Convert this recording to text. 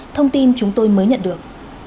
thông tin chúng tôi mới nhận được